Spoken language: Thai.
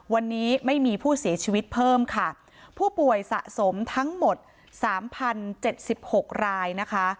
วันนี้ไม่มีผู้เสียชีวิตเพิ่มค่ะผู้ป่วยสะสมทั้งหมด๓๐๗๖รายนะคะ